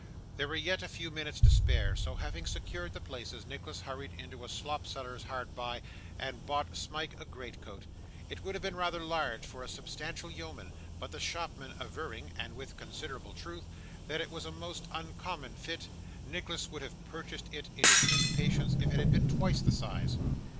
There were yet a few minutes to spare, so, having secured the places, Nicholas hurried into a slopseller's hard by, and bought Smike a great coat. It would have been rather large for a substantial yeoman, but the shopman averring (and with considerable truth) that it was a most uncommon fit, Nicholas would have purchased it in his impatience if it had been twice the size.